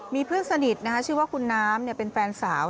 มีเพื่อนสนิทชื่อว่าคุณน้ำเป็นแฟนสาว